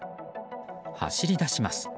走り出します。